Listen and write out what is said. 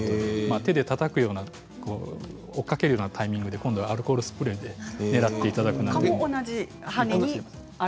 手でたたくような追っかけるようなタイミングでアルコールスプレーで狙っていただくのがいいと思います。